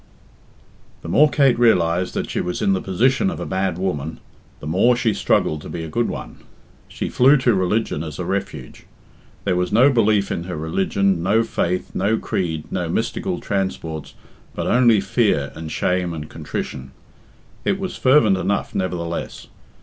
The more Kate realised that she was in the position of a bad woman, the more she struggled to be a good one. She flew to religion as a refuge. There was no belief in her religion, no faith, no creed, no mystical transports, but only fear, and shame, and contrition. It was fervent enough, nevertheless.